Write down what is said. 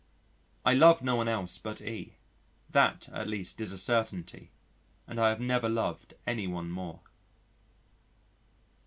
I love no one else but E , that, at least, is a certainty, and I have never loved anyone more.